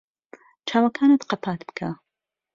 چاوەکانت قەپات بکە.